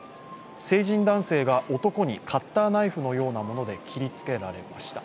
成人男性が男にカッターナイフのようなもので切りつけられました。